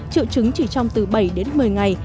triệu chứng chỉ trong từ bảy đến một mươi ngày